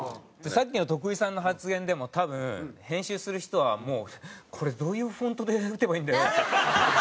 さっきの徳井さんの発言でも多分編集する人はもうこれどういうフォントで打てばいいんだよって。